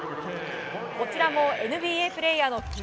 こちらもＮＢＡプレーヤー。